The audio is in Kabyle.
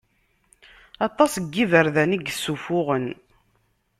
Aṭas n iberdan i yessuffuɣen.